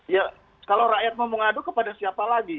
ya kalau rakyat mau mengadu kepada siapa lagi